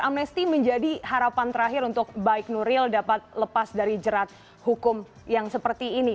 amnesti menjadi harapan terakhir untuk baik nuril dapat lepas dari jerat hukum yang seperti ini